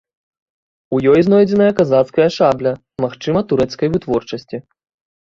У ёй знойдзеная казацкая шабля, магчыма, турэцкай вытворчасці.